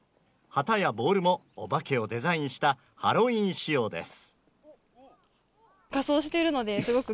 旗やボールもお化けをデザインしたハロウィーン仕様です。